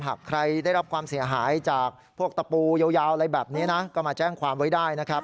หากใครได้รับความเสียหายจากพวกตะปูยาวอะไรแบบนี้นะก็มาแจ้งความไว้ได้นะครับ